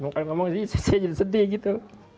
kalau ngomongin ini saya jadi sedih gitu